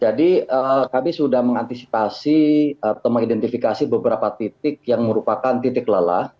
jadi kami sudah mengantisipasi atau mengidentifikasi beberapa titik yang merupakan titik lelah